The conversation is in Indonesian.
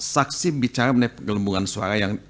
saksi bicara mengenai penggelembungan suara yang